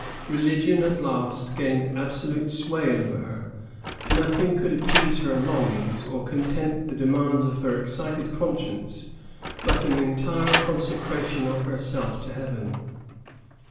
Religion at last gained absolute sway over her. Nothing could appease her longings or content the demands of her excited con science but an entire consecration of herself to Heaven.